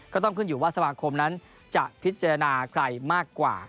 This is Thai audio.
ก็ต้องขึ้นอยู่ว่าสมาคมนั้นจะพิจารณาใครมากกว่า